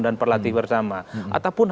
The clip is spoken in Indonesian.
dan perlatih bersama ataupun